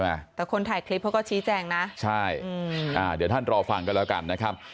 แต่คนถ่ายคลิปเขาก็ชี้แจงนะใช่อืมอ่าเดี๋ยวท่านรอฟังกันแล้วกันนะครับ